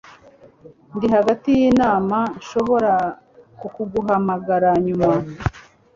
ndi hagati yinama nshobora kuguhamagara nyuma